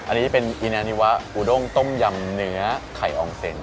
อันนี้เป็นอีนานิวะอูด้งต้มยำเนื้อไข่อองเซ็น